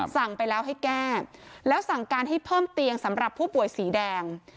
สั่งไปแล้วให้แก้แล้วสั่งการให้เพิ่มเตียงสำหรับผู้ป่วยสีแดง